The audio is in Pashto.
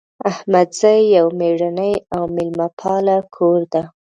احمدزی یو میړنۍ او میلمه پاله کور ده